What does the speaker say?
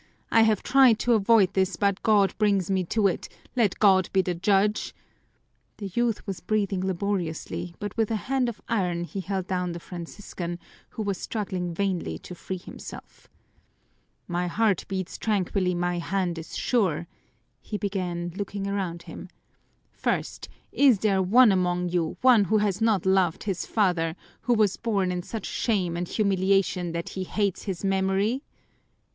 I have tried to avoid this, but God brings me to it let God be the judge!" The youth was breathing laboriously, but with a hand of iron he held down the Franciscan, who was struggling vainly to free himself. "My heart beats tranquilly, my hand is sure," he began, looking around him. "First, is there one among you, one who has not loved his father, who was born in such shame and humiliation that he hates his memory?